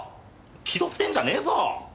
気取ってんじゃねえぞ！